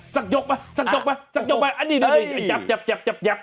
ซักยกมะซักยกมะซักยกมะเออดีจับ